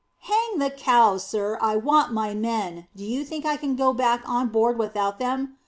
"Hang the cow, sir! I want my men. Do you think I can go back on board without them.